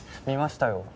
見ましたよ。